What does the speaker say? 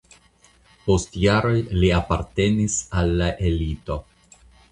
Post jaroj li apartenis al la elito.